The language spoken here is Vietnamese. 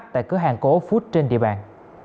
tại cửa hàng cổ food trên địa bàn